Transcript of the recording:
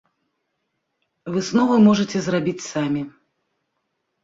Высновы можаце зрабіць самі.